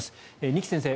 二木先生